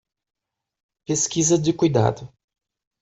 Pesquisa de cuidado